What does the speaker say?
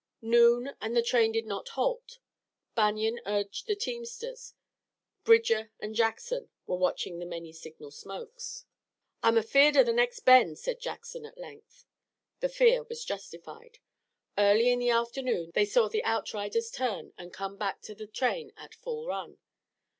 Noon, and the train did not halt. Banion urged the teamsters. Bridger and Jackson were watching the many signal smokes. "I'm afeard o' the next bend," said Jackson at length. The fear was justified. Early in the afternoon they saw the outriders turn and come back to the train at full run.